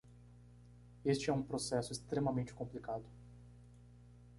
Este é um processo extremamente complicado.